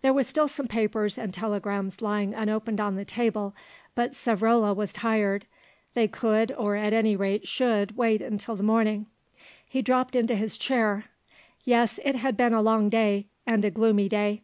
There were still some papers and telegrams lying unopened on the table, but Savrola was tired; they could, or at any rate should wait till the morning. He dropped into his chair. Yes, it had been a long day, and a gloomy day.